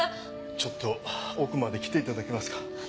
ちょっと奥まで来ていただけますか？